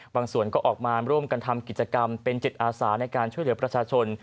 ส่วนก็ออกมาร่วมกันทำกิจกรรมเป็นจิตอาสาในการช่วยเหลือประชาชน